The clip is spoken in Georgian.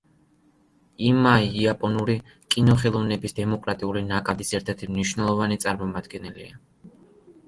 იმაი იაპონური კინოხელოვნების დემოკრატიული ნაკადის ერთ-ერთი მნიშვნელოვანი წარმომადგენელია.